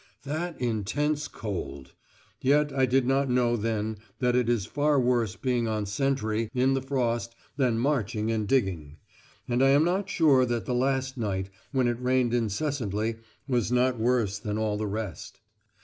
That intense cold! Yet I did not know then that it is far worse being on sentry in the frost than marching and digging. And I am not sure that the last night, when it rained incessantly, was not worse than all the rest.